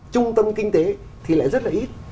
trung tâm kinh tế thì lại rất là ít